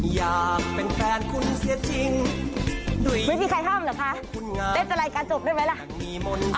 อยากเป็นแฟนคุณเสียจริงไม่มีใครห้ามเหรอคะเล่นอะไรการจบได้ไหมล่ะ